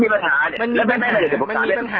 มีปัญหาตั้งแต่เอะลดผมไปทำแล้วคือมันไม่เป็นเรื่องฮะ